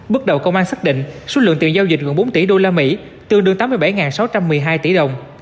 bước đầu công an xác định số lượng tiền giao dịch gần bốn tỷ usd tương đương tám mươi bảy sáu trăm một mươi hai tỷ đồng